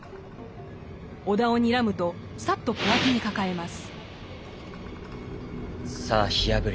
尾田をにらむとさっと小脇に抱えます。